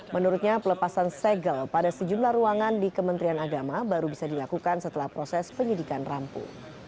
menurutnya pelepasan segel pada sejumlah ruangan di kementerian agama baru bisa dilakukan setelah proses penyidikan rampu